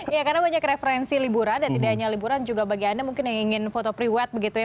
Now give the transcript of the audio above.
ya karena banyak referensi liburan dan tidak hanya liburan juga bagi anda mungkin yang ingin foto pre wed begitu ya